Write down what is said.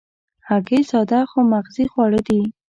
هګۍ ساده خو مغذي خواړه دي.